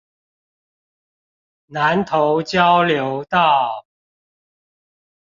南投交流道